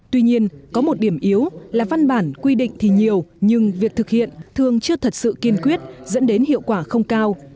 tuy nhiên có một điểm yếu là văn bản quy định thì nhiều nhưng việc thực hiện thường chưa thật sự kiên quyết dẫn đến hiệu quả không cao